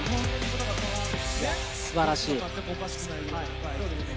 すばらしい。